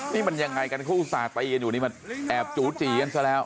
นี่มันยังไงกันคู่สาธารณีอยู่นี่มันแอบจู๋จี่กันซะแล้ว